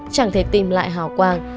chẳng thể tìm lại hào quang